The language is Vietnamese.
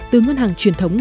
từ ngân hàng truyền thống